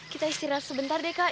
kita istirahat sebentar deh kak